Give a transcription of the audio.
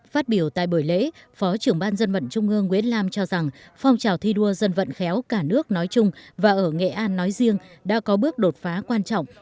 phát biểu tại buổi lễ phó trưởng ban dân vận trung ương nguyễn lam cho rằng phong trào thi đua dân vận khéo cả nước nói chung và ở nghệ an nói riêng đã có bước đột phá quan trọng